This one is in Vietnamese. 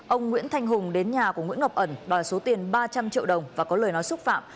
ông nguyễn thanh hùng đến nhà của nguyễn ngọc ẩn đòi số tiền ba trăm linh triệu đồng và có lời nói xúc phạm